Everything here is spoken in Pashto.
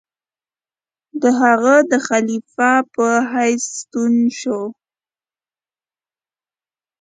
د هغه د خلیفه په حیث ستون شو.